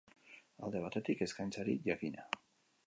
Alde batetik, eskaintzari, jakina.